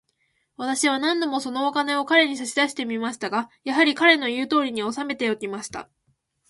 私は何度も、そのお金を彼に差し出してみましたが、やはり、彼の言うとおりに、おさめておきました。